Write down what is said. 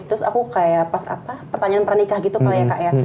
terus aku kayak pas apa pertanyaan pernah nikah gitu kali ya kak ya